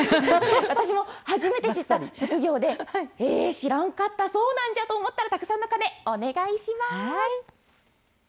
私も初めて知った職業で知らんかったそうなんじゃと思ったらたくさんの鐘、お願いします。